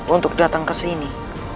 untuk datang ke sini